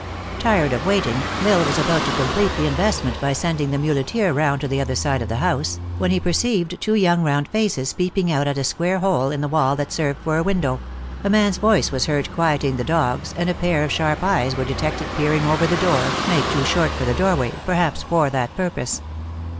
Tired of waiting, L Isle was about to complete THE ACTRESS IN HIGH LIFE. 217 the investment by sending the muleteer round to the other side of the house, when he perceived two young round faces peeping out at a square hole in the wall that served for a window ; a man s voice was heard quieting the dogs, and a pair of sharp eyes were de tected peering over the door, made too short for the doorway, perhaps for that purpose.